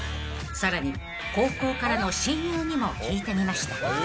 ［さらに高校からの親友にも聞いてみました］